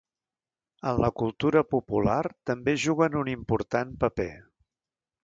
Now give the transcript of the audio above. En la cultura popular també juguen un important paper.